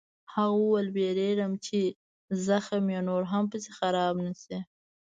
هغه وویل: وېرېږم چې زخم یې نور هم پسې خراب نه شي.